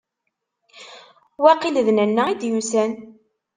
Waqil d Nanna i d-yusan.